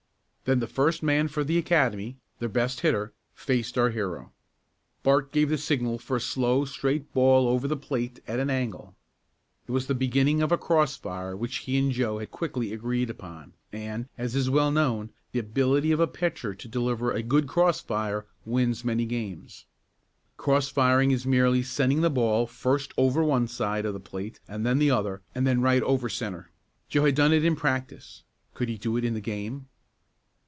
Then the first man for the Academy their best hitter faced our hero. Bart gave the signal for a slow straight ball over the plate at an angle. It was the beginning of a cross fire which he and Joe had quickly agreed upon, and, as is well known, the ability of a pitcher to deliver a good cross fire wins many games. Cross firing is merely sending the ball first over one side of the plate then the other and then right over centre. Joe had done it in practice. Could he do it in the game?